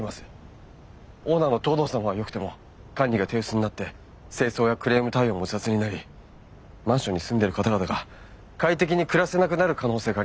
オーナーの藤堂さんはよくても管理が手薄になって清掃やクレーム対応も雑になりマンションに住んでる方々が快適に暮らせなくなる可能性があります。